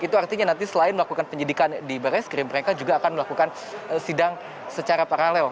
itu artinya nanti selain melakukan penyidikan di barreskrim mereka juga akan melakukan sidang secara paralel